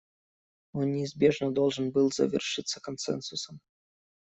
Он неизбежно должен был завершиться консенсусом.